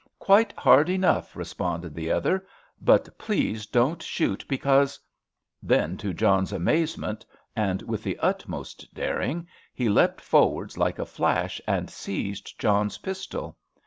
"Quite hard enough," responded the other, "but please don't shoot, because——" Then, to John's amazement, and with the utmost daring, he leapt forward like a flash and seized John's pistol.